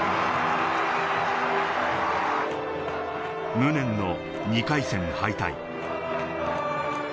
無念の２回戦敗退。